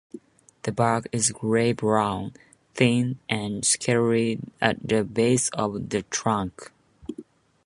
The bark is grey-brown, thin and scaly at the base of the trunk.